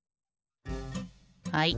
はい。